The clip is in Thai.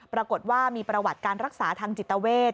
ปรากฏว่ามีประวัติการรักษาทางจิตเวท